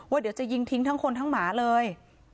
เดี๋ยวจะยิงทิ้งทั้งคนทั้งหมาเลย